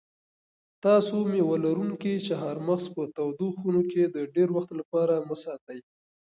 تاسو مېوه لرونکي چهارمغز په تودو خونو کې د ډېر وخت لپاره مه ساتئ.